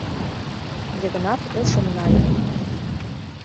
— Йыгнат ушым нале.